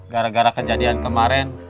gara gara kejadian kemarin